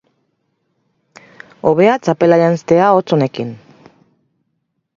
Hobea txapela janztea hotz honekin.